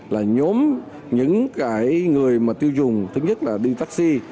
là nhóm những cái người mà tiêu dùng thứ nhất là đi taxi